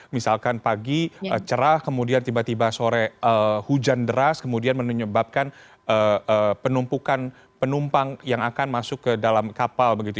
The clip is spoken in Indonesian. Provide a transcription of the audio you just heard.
misalkan pagi cerah kemudian tiba tiba sore hujan deras kemudian menyebabkan penumpukan penumpang yang akan masuk ke dalam kapal begitu